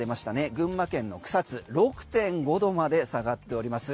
群馬県の草津６．５度まで下がっております。